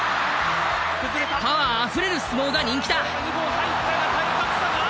パワー溢れる相撲が人気だ。